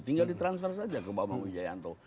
tinggal di transfer saja ke bang wijayanto